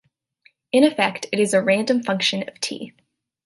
In effect it is a random function of "t".